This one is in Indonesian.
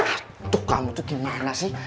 aduh kamu tuh gimana sih